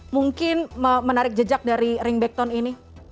mungkin menarik jejak dari ringback tone ini